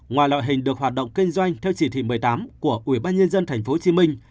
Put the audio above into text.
ngoài loại hình được hoạt động kinh doanh theo chỉ thị một mươi tám của ubnd tp hcm